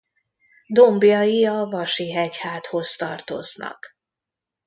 Dombjai a Vasi-hegyháthoz tartoznak.